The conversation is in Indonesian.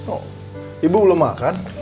oh ibu belum makan